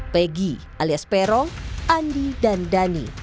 pegi alias perong andi dan dani